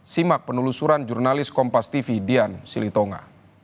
simak penelusuran jurnalis kompas tv dian silitonga